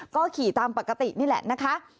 ก็ขี่ตามปกตินี่แหละนะคะ